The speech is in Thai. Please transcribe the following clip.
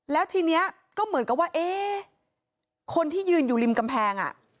แล้วทีนี้ก็เหมือนกับว่าเอ๊ะคนที่ยืนอยู่ริมกำแพง